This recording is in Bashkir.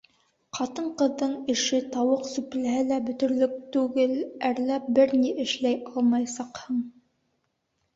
Ҡатын ҡыҙҙың эше тауыҡ сүпләһә лә бөтөрлөк түгел, әрләп бер ни эшләй алмаясаҡһың.